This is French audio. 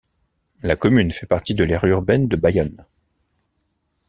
La commune fait partie de l'aire urbaine de Bayonne.